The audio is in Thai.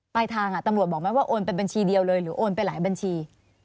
ไปทางตำรวจบอกไหมว่าโอนไปบัญชีเดียวเลยหรือโอนไปหลายบัญชี